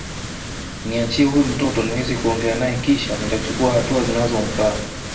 Niachie huyu mtoto niweze kuongea naye kisha nitachukua hatua zinazomfaa